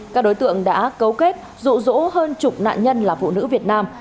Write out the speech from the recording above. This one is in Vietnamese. các đối tượng đã cấu kết rụ rỗ hơn chục nạn nhân là phụ nữ việt nam